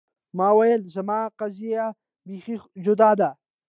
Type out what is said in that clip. ما ویل زما قضیه بیخي جدا ده.